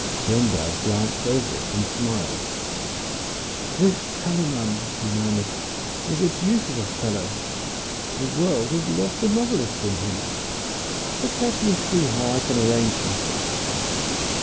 Schonberg glanced over it, and smiled. "This Kalimann," he murmured, "is a deuce of a fellow. The world has lost a novelist in him. But let me see how I can arrange matters.